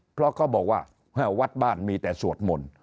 เพราะเขาบอกว่าวัดบ้านมีแต่สวดมนต์